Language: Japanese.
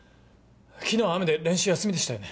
昨日は雨で練習休みでしたよね？